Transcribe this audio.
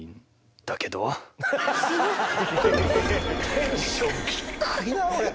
テンション低いなこれ。